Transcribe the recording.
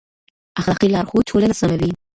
اخلاقي لارښود ټولنه سموي.